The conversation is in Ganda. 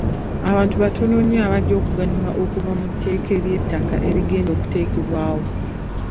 Abantu batono nnyo abajja okuganyulwa okuva mu tteeka ly'etakka erigenda okuteekebwawo.